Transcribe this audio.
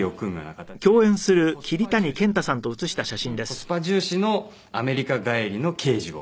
コスパ重視のアメリカ帰りの刑事を。